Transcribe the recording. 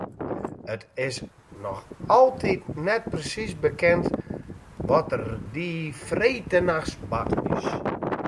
It is noch altyd net presiis bekend wat der dy freedtenachts bard is.